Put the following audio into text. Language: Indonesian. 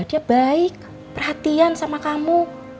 dia baik perhatian sama kamu